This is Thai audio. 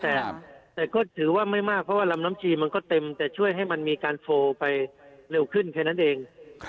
แต่ความคิดถือว่าไม่มากเมื่อกี๊จะมากเพราะว่าลำน้ำชีมันก็เต็มแต่ช่วยให้มันมีการโฟล์ไปเล็วกลิ่นแค่นั้นเอง